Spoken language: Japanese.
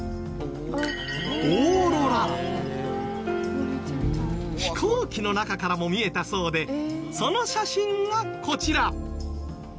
まずは今年２月飛行機の中からも見えたそうでその写真がこちら。